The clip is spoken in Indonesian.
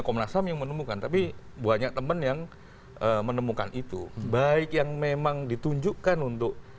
komnas ham yang menemukan tapi banyak teman yang menemukan itu baik yang memang ditunjukkan untuk